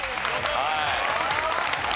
はい。